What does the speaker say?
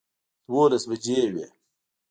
دولس بجې وې